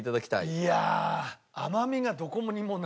いや甘みがどこにもない。